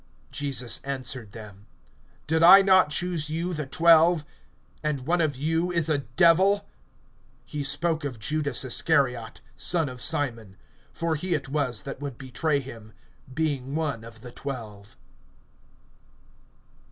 (70)Jesus answered them: Did I not choose you, the twelve, and one of you is a devil? (71)He spoke of Judas Iscariot, son of Simon; for he it was that would betray him, being one of the twelve.